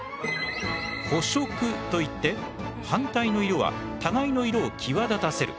補色と言って反対の色は互いの色を際立たせる。